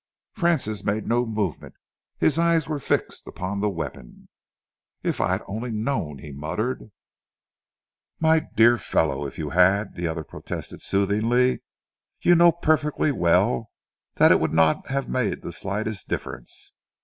Francis made no movement. His eyes were fixed upon the weapon. "If I had only known!" he muttered. "My dear fellow, if you had," the other protested soothingly, "you know perfectly well that it would not have made the slightest difference.